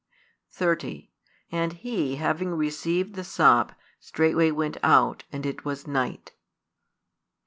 30 And he having received the sop, straightway went out: and it was night.